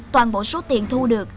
toàn bộ số tiền thu được